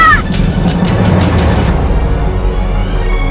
aku akan tunggu kamu sampai kapanpun herin